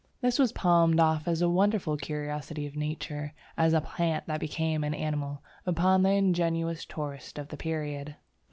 This was palmed off as a wonderful curiosity of nature, as "a plant that became an animal," upon the ingenuous tourist of the period.